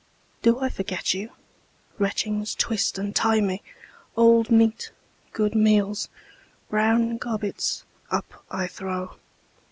Do I forget you? Retchings twist and tie me, Old meat, good meals, brown gobbets, up I throw.